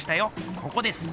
ここです。